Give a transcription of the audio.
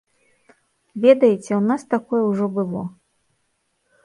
Ведаеце, у нас такое ўжо было.